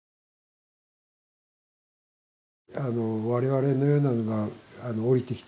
我々のようなのが下りてきてね